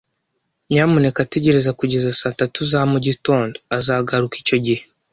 Nyamuneka tegereza kugeza saa tatu za mugitondo. Azagaruka icyo gihe.